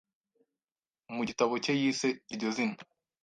mu gitabo cye yise iryo zina